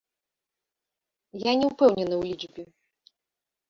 Я не ўпэўнены ў лічбе.